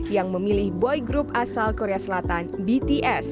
yang memilih boy group asal korea selatan bts